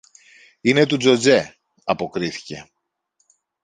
Είναι του Τζοτζέ, αποκρίθηκε.